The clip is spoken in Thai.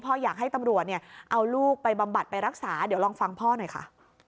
อยากให้ตำรวจเนี่ยเอาลูกไปบำบัดไปรักษาเดี๋ยวลองฟังพ่อหน่อยค่ะ